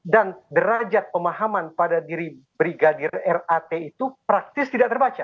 derajat pemahaman pada diri brigadir rat itu praktis tidak terbaca